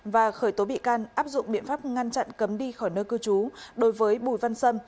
và khởi tố bị can áp dụng biện pháp ngăn chặn cấm đi khỏi nơi cư trú đối với bùi văn sâm